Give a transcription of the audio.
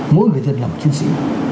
mỗi người dân là một chính sĩ